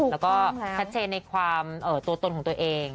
แล้วก็ชัดเจนในความตัวตนของตัวเอง